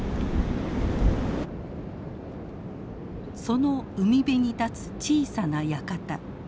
その海辺に立つ小さな館。